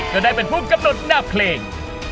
จะได้เป็นผู้กำหนดหน้าเพลง